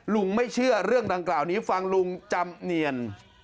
ไม่เชื่อเรื่องดังกล่าวนี้ฟังลุงจำเนียน